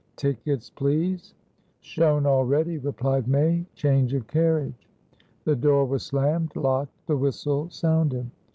"Tickets, please." "Shown already," replied May. "Change of carriage." The door was slammed, locked. The whistle sounded.